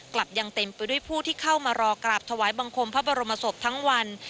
กลับยังเต็มไปด้วยผู้ที่เข้ามารอกราบถวายบังคมพระบรมศพทั้งวัน